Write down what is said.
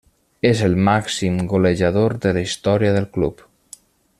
És el màxim golejador de la història del club.